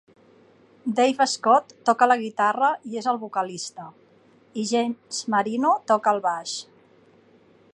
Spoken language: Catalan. Dave Scott toca la guitarra i és el vocalista, i James Marino toca el baix.